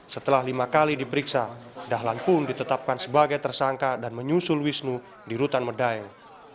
setelah lima kali diperiksa dahlan pun ditetapkan sebagai tersangka dan menyusul wisnu di rutan medaeng